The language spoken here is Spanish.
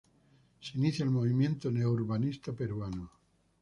Se inicia el movimiento neo-urbanista peruano.